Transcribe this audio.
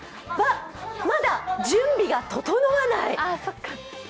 まだ準備が整わない。